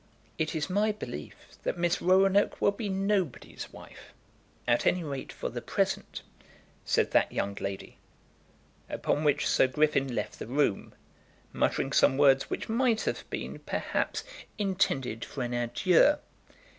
"It is my belief that Miss Roanoke will be nobody's wife, at any rate, for the present," said that young lady; upon which Sir Griffin left the room, muttering some words which might have been, perhaps, intended for an adieu.